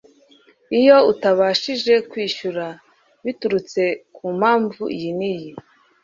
iyo utabashije kwishyura biturutse ku mpamvu iyi n'iyi